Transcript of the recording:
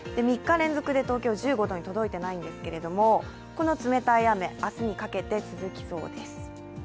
３日連続で東京、１５度に届いていないんですけれども、この冷たい雨、明日にかけて続きそうです。